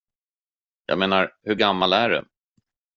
Jag menar, hur gammal är du?